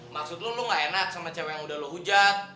maksud lo gak enak sama cewek yang udah lo hujat